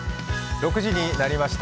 ６時になりました。